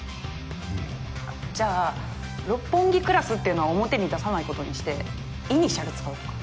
じゃあ六本木クラスっていうのは表に出さない事にしてイニシャル使うとか。